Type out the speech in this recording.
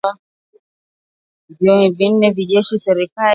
vyanzo vinne vya jeshi la serikali vililiambia shirika la habari